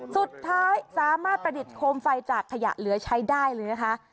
สุดท้ายสามารถประดิษฐ์โคมไฟจากขยะเหลือใช้ได้เลยนะคะ